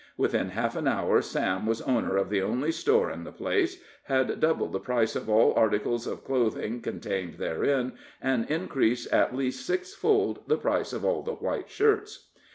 Within half an hour Sam was owner of the only store in the place, had doubled the prices of all articles of clothing contained therein, and increased at least six fold the price of all the white shirts.